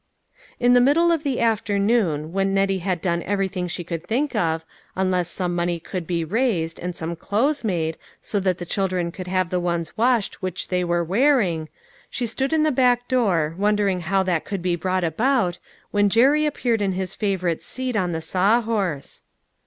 In the middle of the afternoon, when Nettie had done everything she could think of, unless some money could be raised, and some clothes made, so that the children could have the ones washed which they were wearing, she stood in the back door, wondering how, that could be brought about, when Jerry appeared in his favorite seat on the sawhorse.